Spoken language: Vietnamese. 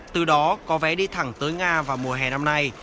từ đó có vé đi thẳng tới nga vào mùa hè năm nay